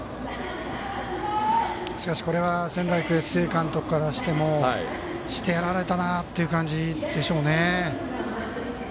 しかしこれは仙台育英須江監督からしてもしてやられたなという感じでしょうね。